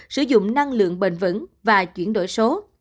sử dụng năng lượng bền vững và chuyển đổi số